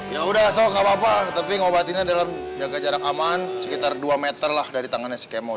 ya udah so nggak apa apa tapi ngobatinnya dalam jaga jarak aman sekitar dua meter lah dari tangannya si kemo